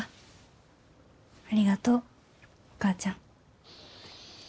ありがとうお母ちゃん。